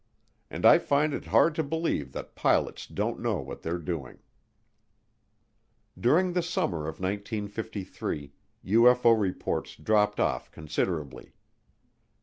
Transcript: And I find it hard to believe that pilots don't know what they're doing. During the summer of 1953, UFO reports dropped off considerably.